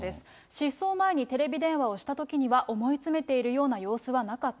失踪前にテレビ電話をしたときには、思い詰めているような様子はなかった。